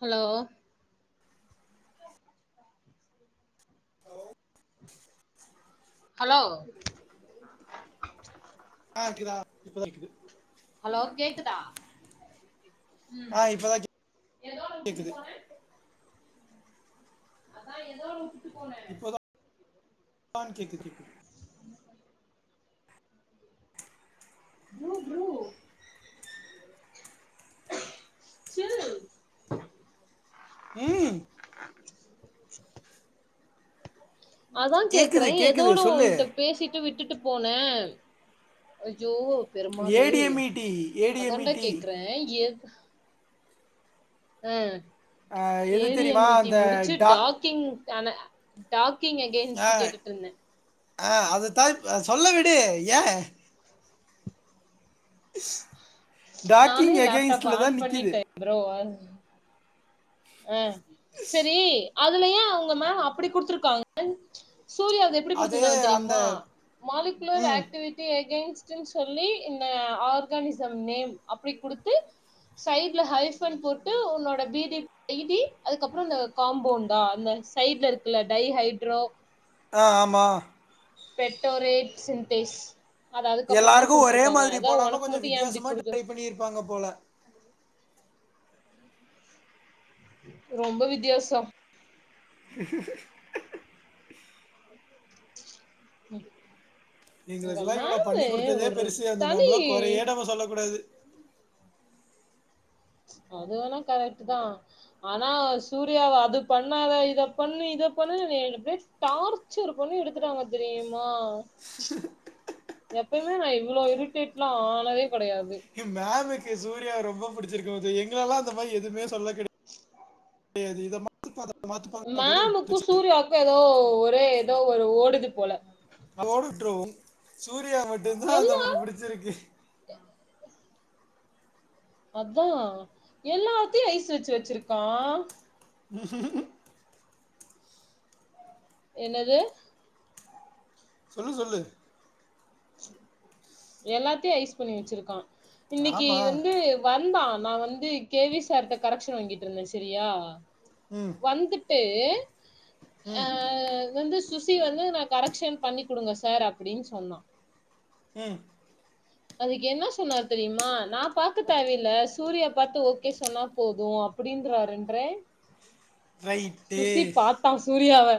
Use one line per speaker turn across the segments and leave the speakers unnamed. Hello
hello
hello
இப்பதா கேக்குது
hello கேக்குதா
ஆ இப்பதா கேக்குது
அதா ஏதோட உட்டுட்டு போன
இப்போதா கேக்குது
ஃபுரூ ஃபுரூ [unintelligible]
ம்
அதா கேக்குறே
கேக்குது கேக்குது
எதோட
சொல்லு
ஓன்ட்ட பேசிட்டு விட்டுட்டு போனே அய்யோ பெருமாளே
ஏடிஎம்இடி
அதாண்டா
ஏடிஎம்இடி
கேக்றே எத் அ
ஆ எது
ஏறியா
தெரியுமா அந்த
மீட்டிங் முடிச்சு
டா
டாக் கிங் டான ஃடாக்கிங்
ஆ
அகைன்ஸ்டு கேட்டுட்ருந்தே
ஆ அது தா இப்ப சொல்ல விடு ஏ ஸ் டாக்கிங் எகெயின்ஸ்ட்ல தா நிக்கிது
ஃப்ரோ வந் ஆ செரி அதுலயே அவுங்க மேம் அப்டி குடுத்துருக்காங்க சூர்யாது எப்புடி
அது
குடுத்திருந்தாங்க
அந்த
தெரியுமா மாலிகுலர்
ம்
ஆக்டிவிட் டி அகைன்ஸ்ட்னு சொல்லி இந்த ஆர்கானிசம் நேம் அப்டி குடுத்து சைட்ல ஹைஃபண்ட் போட்டு உன்னோட பீடிப் ஃபிடி அதுக்கப்புறோ இந்த காம்பவுண்டா அந்த சைட்ல இருக்குல டை ஹைட்ரோ
ஆ ஆமா
பெட்டோரேட் சின்டேஸ் அது அதுக்கப்புறோந்தா
எல்லாருக்கு
குடுத்துருக்காங்க அதா உனக்கு மட்டு ஏ இப்டி குடுத்துரு
பண்ணிருப்பாங்க போல
ரொம்ப வித்தியாசம் உங்க
எங்களுக்கெல்லா இவ்வளோ
மேமு ஒரு தனி
சும்மா சொல்லக்கூடாது
அது வேணா கரெட்டு தா ஆனா சூர்யாவ அது பண்ணாத இத பண்ணு இத பண்ணு என்ன எப்டியே டார் சர் பண்ணி எடுத்துட்டாங்க தெரியுமா எப்பவுமே நா இவ்ளோ இரிட்டேட் லா ஆனதே கெடையாது
க்கு மேமுக்கு சூர்யா ரொம்ப பிடிச்சிருக்கும் அது எங்களெல்லா அந்தமாரி எதுவுமே சொல்ல கெடையாது து இத மாத்துப்பா அத மாத்துப்பா அதோட விட்ருச்சு
எதோ ஒரே எதோ ஒரு ஓடுது போல
ஓடற்றவு சூர்யா மட்டுந்தா அந்த
எல்லா
அம்மாக்கு புடிச்சிருக்கு
அதா எல்லாத்தையு ஐஸ் வச்சு வச்சுருக்கா
[inaudible]
என்னது
சொல்லு சொல்லு
எல்லாத்தையு ஐஸ் பண்ணி வச்சிருக்கான் இன்னிக்கு
ஆமா
வந்து வந்தா நா வந்து கே வி சார்ட்ட கரெக்ஷ்ன் வாங்கிட்ருந்தே சரியா
ம்
வந்துட்டு அ
ம்
வந்து சுசி வந்து நா கரெக்ஷ்ன் பண்ணி குடுங்க சார் அப்டின் சொன்னா
ம்
அதுக்கு என்ன சொன்னார் தெரியுமா நா பாக்க தேவையில்ல சூர்யா பாத்து ஓகே சொன்னா போது அப் அப்டின்றாருன்றே
ரைட்டு
சுசி பாத்தா சூர்யாவ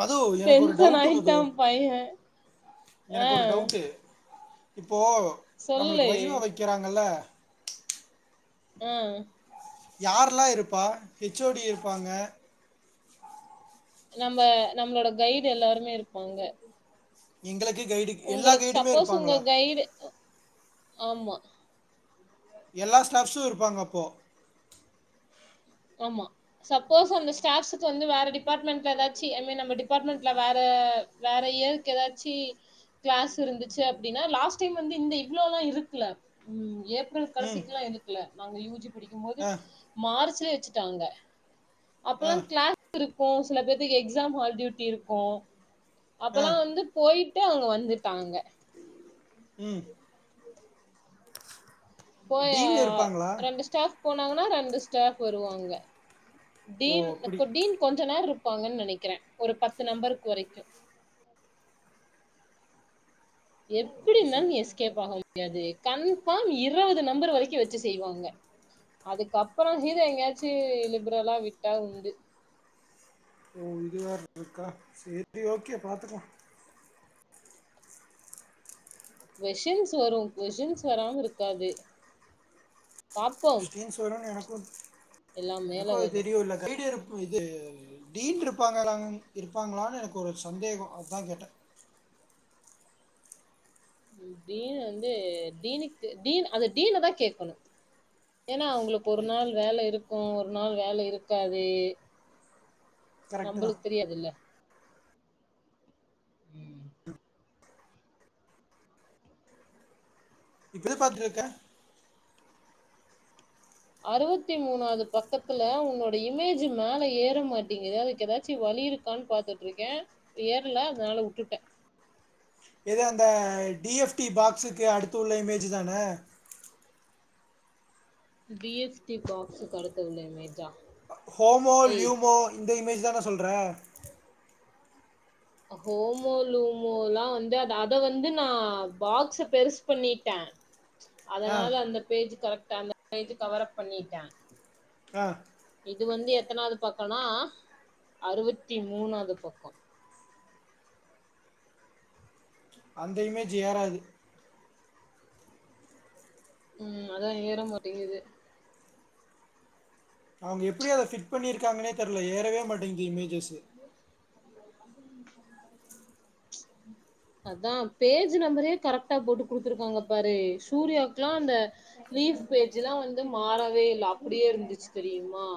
மது எனக்கு ஒரு
டென்ஷன்
டவுட்டு மது
ஆயிட்டான் பையன்
எனக்கு ஒரு டவுட்டு இப்போ
சொல்லு
நம்மளுக்கு வைவா வைக்கிறாங்கல்ல
ஆ
யாரலா இருப்பா ஹெச் ஓ டி இருப்பாங்க
நம்ப நம்மளோட கைடு எல்லாருமே இருப்பாங்க
எங்களுக்கு கைடு எல்லா
உங்களுக்
கைடுமே
சப்போஸ் உங்க
இருப்பாங்களா
கைடு ஆமா
எல்லா ஸ்டாஃப்ஸு இருப்பாங்க அப்போ
ஆமா சப்போஸ் அந்த ஸ்டாஃப்ஸுக்கு வந்து வேற டிபாட்மண்ட்ல ஏதாச்சி ஐ மீன் நம்ம டிபாட்மண்ட்ல வேற வேற ஏதுக் ஏதாச்சி கிளாஸ் இருந்துச்சு அப்டின்னா லாஸ்ட் டைம் வந்து இந்த இவ்ளோல்லா இருக்கல ஃபுல்
ம்
கடசீக்லா எடுக்ல நாங்க யூ ஜி படிக்கும் போது
ஆ
மார்ச்சலயே வச்சுட்டாங்க
ஆ
அப்பல்லா கிளாஸ் இருக்கு சில பேத்துக்கு எக்ஸாம் ஹால் டியூட்டி இருக்கு
ஆ
அப்பல்லா வந்து போய்ட்டு அவுங்க வந்துட்டாங்க
ம்
போய
டீன் இருப்பாங்களா
ரெண்டு ஸ்டாஃப் போனாங்னா ரெண்டு ஸ்டாஃப் வருவாங்க
ஓ
டீன்
அப்படி
டீன் கொஞ்ச நேருப் பாங்கன் நெனைக்கிறே ஒரு பத்து நம்பருக்கு வரைக்கு எப்டி
அப்ப
இருந்தாலு
சரி
நீ எஸ்கேப் ஆக முடியாது கன்ஃபார்ம் இருவது நம்பர் வரைக்கு வச்சு செய்வாங்க அதுக்கப்பறோ மீத எங்கயாச்சு லிபரலா விட்டா உண்டு
ஓ இது வேற இருக்கா சரி ஓகே பாத்துக்கலா
கொஷின்ஸ் வரு கொஷின்ஸ் வராம இருக்காது பாப்போம்
கொஸ்டின்ஸ் வருன் எனக்கு
எல்லாம் மேல
எனக்கு அது
வரும்
தெரியுல்ல வீடியோ இருப் இது டீன் இருப்பாங்கலாங் இருப்பாங்களான்னு எனக்கு ஒரு சந்தேகோ அதுக்தா கேட்டே
டீனு வந்து டீனுக்கு டீன் அது டீன தா கேக்கணு ஏனா அவுங்களுக்கு ஒரு
ரைட்
நாள் வேல இருக்கு ஒரு நாள் வேல இருக்காது
கரெக்ட் தா
நம்பளுக்கு தெரியாதுல்ல ம்
இதுற பாத்துருக்க
அறவத்தி மூணாவது பக்கத்துல ஒன்னுடைய இமேஜு மேல ஏற மாட்டேங்கிது அதுக்கு ஏதாச்சு வலி இருக் கான்னு பாத்துட்ருக்கே ஏரல அதனால வுட்டுட்டே
எது அந்த டி எஃப் டி பாக்ஸுக்கு அடுத்துள்ள இமேஜு தான
டி எஃப டி பாக்ஸுக்கு அடுத்து உள்ள இமேஜா
ஹோமோ
ஏய்
லியூமோ இந்த இமேஜ் தான சொல்ற
ஹோமோ லூமோலா வந்து அத அத வந்து நா பாக்ஸு பெருசு பண்ணிட்டே
ஆ
அதனால அந்த பேஜ்ஜு கரெக்டா அந்த பேஜ்ஜு கவர் அப் பண்ணிட்டே
அ
இது வந்து எத்தனாவது பக்கோனா அறுவத்தி மூணாவது பக்கோ
அந்த இமேஜு ஏறாது
ம் அதா ஏற மாட்டேங்குது
அவுங்க எப்டி அத ஃபிட் பண்ணிருக்காங்கனே தெர்ல ஏறவே மாட்டேங்குது இமேஜஸு
அதா பேஜு நம்பரே கரெக்டா போட்டு குடுத்துருக்காங்க பாரு சூர்யாக்கல்லா அந்த லீஃப் பேஜல்லா வந்து மாறவே இல்ல அப்டியே இருந்துச்சு தெரியுமா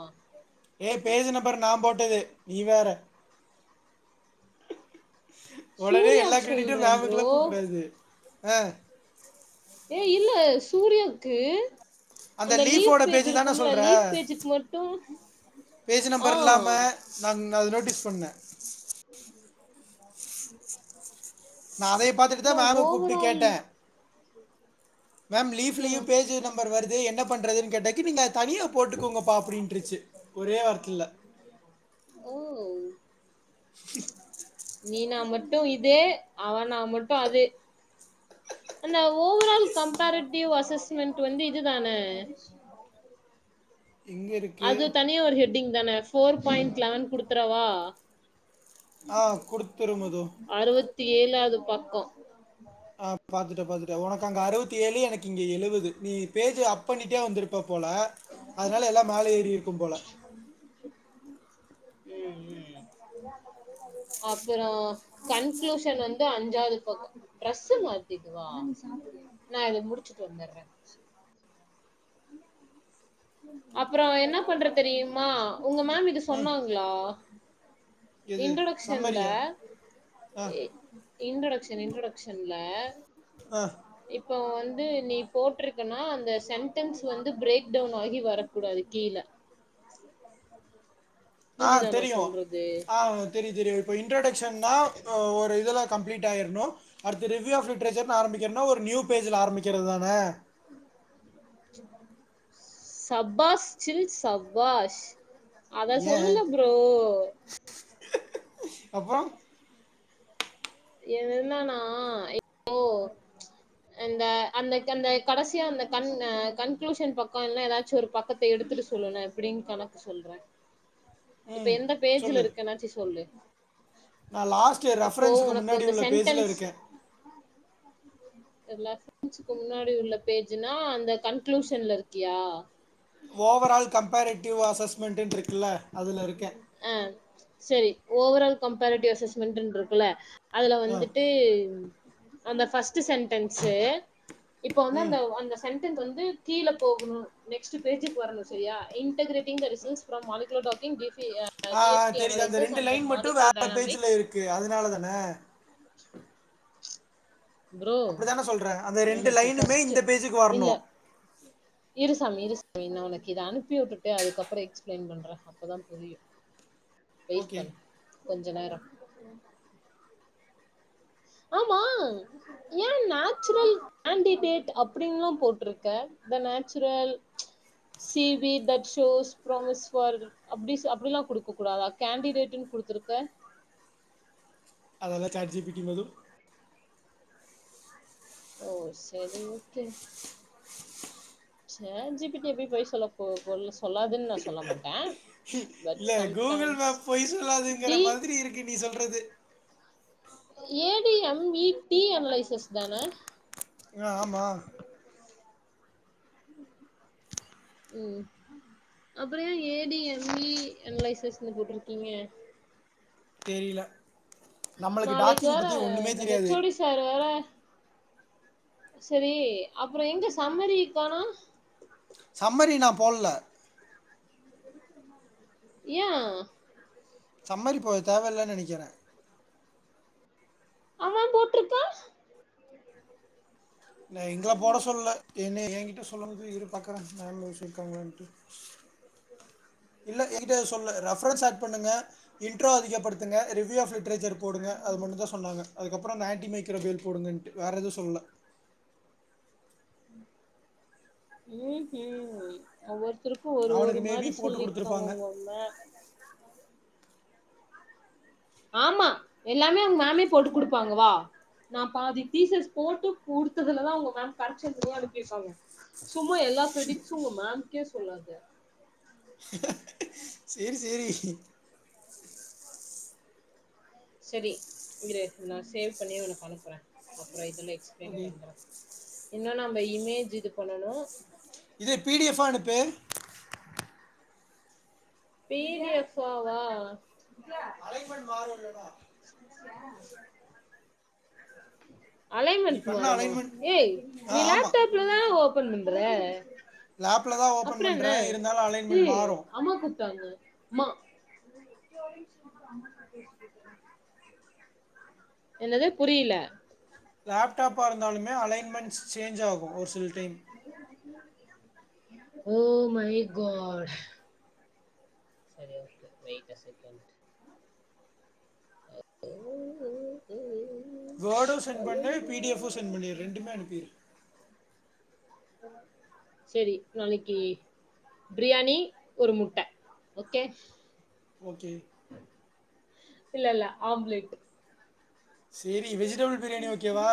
ஏ பேஜு நம்பரு நா போட்டது நீ வேற ஒடனே எல்லா
சூர்யாக்கு
கிரெடிட்டு
சொல்றே ப்ரோ
மேமுக்குல்லா போக்கூடாது ஆ
ஏ இல்ல சூர்யாவ்க்கு அந்த லீஃப் பேஜ் இருக்கும்ல்ல லீஃப் பேஜ்க்கு மட்டு
பேஜு
ஆ
நம்பர் இல்லாம நா நா அத நோட்டீஸ் பண்ணே நா அதைய பாத்துட்டு தா
அப்றோ
நானு கூப்ட்டு
ஓவரால்
கேட்டே மேம் லீஃப்லயு
ம்
பேஜ் நம்பர் வருது என்ன பண்றதுன் கேட்டதுக்கு நீங்க தனியா போட்டுக்கோங்கப்பா அப்டின்ருச்சு ஒரே வார்த்தில
ஓ நீ நா மட்டு இது அவனா மட்டு அது அந்த ஓவரால் கம்பரிட்டிவ் அசஸ்மெண்ட் வந்து இதுதானே
எங்க இருக்கு
அது தனியா ஒரு ஹெட்டிங் தானே போர் பாயிண்ட் லெவன் குடுத்துறவா
ஆ குடுத்துரு மது
அறுவத்தி ஏழாவது பக்கோ
ஆ பாத்துட்டே பாத்துட்டே ஒனக்கு அங்க அறுவத்தி ஏழு எனக்கு இங்க எழுவது நீ பேஜ் அப் பண்ணிட்டே வந்திருப்ப போல அதனால எல்லா மேல ஏறிருக்கும் போல
ம் ம் அப்பறோ கன்க்ளூஷன் வந்து அஞ்சாவுது பக்கோ ட்ரெஸ் மாத்தக்குவா நான் இத முடிச்சுட்டு வந்துடுறேன் அப்றோ என்ன பண்ற தெரியுமா உங்க மேம் இத
ம்
சொன்னாங்ளா
எது
இன்ட்ரொடக்ஷன்ல்ல
சம்மரியா ஆ
இ இன்ட்ரோடக்ஷன் இன்ட்ரோடக்ஷன்ல்ல
ஆ
இப் ப வந்து நீ போட்ருக்கனா அந்த செம்டம்ஸ் வந்து பிரேக் டவுன்னாகி வரக்கூடாது கீழ
ஆ
புரியுதா நா
தெரியு
சொல்றது
ஆ தெரியு தெரியு இப்போ இன்ட்ரொடக்க்ஷன்னா ஒரு இதில கம்ப்ளீட் ஆயிர்ணு அடுத்தது ரிவ்யூ ஆப் லிட்ரேச்சர்னு ஆரம்பிக்கும்னா ஒரு நியூ பேஜ்ல ஆரம்பிக்கிறதுதான
சபாஷ் சில் சபாஷ் அத சொல்லுல ப்ரோ
அப்றோ
இதென்னன்னா என் [inaudible] வோ இந்த அந்த அந்த கடசியா அந்த கன் அ கன்க்ளூஷன் பக்கோ இல்ல எதாச்சு ஒரு பக்கத்த எடுத்துட்டு சொல்லுனே இப்டின் கணக்கு சொல்றே இப்ப
ம்
எந்த பேஜ்ல
சொல்லு
இருக்குனாச்சி சொல்லு
நா லாஸ்ட்யியர்
இப்போ
ரெஃபரன்ஸுக்கு
உனக்கு
முன்னாடி
அந்த
உள்ள பேஜ்ல
சென்டென்ஸ்
இருக்கே
எல்லா [inaudible] முன்னாடி உள்ள பேஜ்ஜுனா அந்த கன்களூஷன்ல இருக்கியா
ஓவரால் கம்பேரிட்டிவ் அசஸ்மெண்ட்டுன்ட்ருக்குல்ல அதுல இருக்கே
ஆ செரி ஓவரால் கம்பேரிட்டிவ் அசஸ்மெண்டுன்ட்ருக்குல்ல அதுல
ஆ
வந்துட்டு அந்த ஃபஸ்ட் சென்டன்ஸு இப்ப வந்து
ம்.
அந்த அந்த சென்டன்ஸ் வந்து கீழ போகுணு நெக்ஸ்ட் பேஜுக்கு வர்ணு சரியா integrating the research from molecular docking கிப்பி ஏ
ஆ தெரியிது அந்த ரெண்டு லைன் மட்டு வேற பேஜ்ல
டைனாமிக்ஸ்
இருக்கு அதனால தான
ப்ரோ
அப்படித்தான சொல்றேன். அந்த
எனக்கு
லைனுமே
ஃபஸ்ட்டு
இந்த பேஜுக்கு
இல்ல
வரணும்.
இருசாமி இருசாமி நா உனக்கு இத அனுப்பிவுட்டுட்டு அதுக்கப்றோ எக்ஸ்பிளைன் பண்றே அப்போதா புரியு வெய்ட்
ஓகே.
பண்ணு கொஞ்ச நேரோ ஆமா ஏ நேச்சுரல் ஆண்டிபேட் அப்படின்லா போட்டிருக்க the natural C V that shows promise for அப்டிஸ் அப்டிலா குடுக்க கூடாதா கேண்டிடேட்டுன் குடுத்துருக்க
அதெல்லா சாட் ஜி பி டி மது
ஓ செரி முத்து சாட் ஜி பி டி எப்டி பொய் சொல்ல போத் சொல்லு சொல்லாதுன் நா சொல்ல மாட்டே
இல்ல கூகுள் மேப் பொய் சொல்லாதுங்கற
டி
மாதிரி இருக்கு நீ சொல்றது
A D M E T analysis தான
அ ஆமா
ம் அப்பறோ ஏ ஏ டி எம் இ அன்லைசஸ்னு போட்ருக்கீங்க
தெரியில நம்மளுக்கு டாக்கிங் பத்தி ஒன்னுமே தெரியாது
டாரு வேற செரி அப்பறோ எங்க சம்மரி காணோ
சம்மரி நா போட்ல
யா
சம்மரி இப்போ தேவல்லன் நெனைக்கற
அவ போட்ருக்கா
இல்ல எங்கள போட சொல்ல என்ன எங்கிட்ட சொல்லும் போது இரு பாக்கறே மேம் பேசிருக்காங்களான்ட்டு இல்ல எங்கிட்ட எது சொல்ல ரெஃப்ரென்ஸ் ஆட் பண்ணுங்க இன்ட்ரோ அதிகப்படுத்துங்க ரிவ்யூ ஆப் லிட்ரேச்சர் போடுங்க அது மட்டுந்தா சொன்னாங்க அதுக்கப்றோ அந்த ஆண்டி மைக்ரோ பில் போடுங்கன்ட்டு வேற எது சொல்ல
ம் ம் ஒவ்வொருத்தருக்கு ஒரு
அவனுக்கு
ஒரு
மேபி
மாரி
போட்டு
சொல்லிருக்காங்க
கொடுத்துருப்பாங்க
உங்க மேம் ஆமா எல்லாமே உங் மேமே போட்டு குடுப்பாங்க வா நா பாதி டீசஸ் போட்டு குடுத்ததுலதா உங்க மேம் கரெக்ஷன்க்கே அனுப்பிருக்காங்க சும்மா எல்லா க்ரெடிட்ஸு உங்க மேம்க்கே சொல்லாத
சேரி சேரி
செரி இரு நா சேவ் பண்ணியே உனக் அனுப்பறே அப்பறோ இதுல எக்ஸ்பிளைன்
ஓகே
பண்ற இன்னு நம்ப இமேஜ் இது பண்ணனு
இது பி டி எஃபா அனுப்பு
பி டி எஃபா வா
அலைன்மெண்ட் மாறு இல்லனா நீ
அலைன்மெண்ட்
பண்ண
மாறுமா
அலைன்மெண்ட்
ஏய்
ஆ
நீ
ஆமாம்
லேப்டாப்லதான ஓப்பன் பண்ற
லேப்ல தா ஓப்பன்
அப்புறம்
பண்ற
என்ன
இருந்தாலு அலைன்மெண்ட்
ஏய்
மாறு
அம்மா கூப்ட்டாங்க ம்மா என்னது புரியில
லேப்டாப்பா இருந்தாலுமே அலைன்மெண்ட்ஸ் சேஞ்ச் ஆகு ஒரு சில டைம்
ஓ மை காட் சரி ஓகே வெயிட் அ செகண்ட்
வேடு சென்ட் பண்ணு
அய்யய்யோ
பி டி எஃபு சென்ட் பண்ணீர் ரெண்டுமே அனுப்பீர்
செரி நாளைக்கி ப்ரியாணி ஒரு முட்ட ஓகே
ஓகே
இல்ல இல்ல ஆம்ப்லேட்
சேரி வெஜிடபிள் பிரியாணி ஓகேவா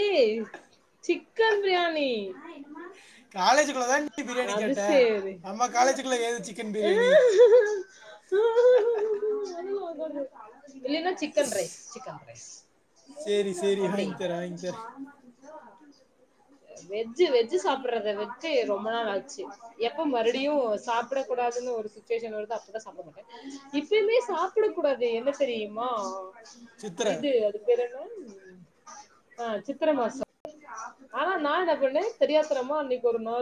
ஏய் சிக்கன் ப்ரியாணி
காலேஜுக்குள்ள தான் நீ பிரியாணி கேட்ட
சேரி
நம்ம காலேஜுக்குள்ள ஏது சிக்கன் பிரியாணி
இல்லன்னா சிக்கன் ரைஸ் சிக்கன் ரைஸ்
சேரி சேரி
எப்படி
வாங்ய் தர வாங்ய் தர
வெஜ்ஜு வெஜ்ஜு சாப்பிடுறத வெ ட்டு ரொம்ப நாள் ஆச்சு எப்ப மறுபடியும் சாப்பிடக்கூடாதுன்னு ஒரு சுட்டுவேஷன் வருதோ அப்பதான் சாப்பிட மாட்டேன் இப்பயுமே சாப்பிட கூடாது என்ன தெரியுமா
சித்ர.
இது இது பேரென்ன ஆ சித்திரை மாசோ ஆனா நான் என்னா பண்ணே தெரியாத்திரமா அன்னிக்கு ஒரு நாள்